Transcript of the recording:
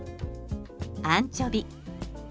アンチョビ。